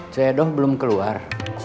ceyadoh belum keluar